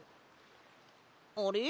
あれ？